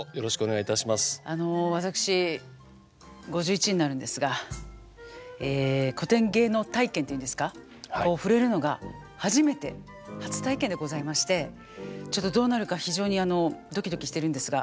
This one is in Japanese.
あの私５１になるんですが古典芸能体験というんですか触れるのが初めて初体験でございましてちょっとどうなるか非常にドキドキしてるんですが。